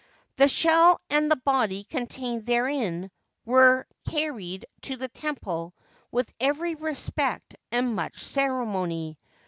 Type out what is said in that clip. The shell and the body contained therein were carried to the temple with every respect and much ceremony.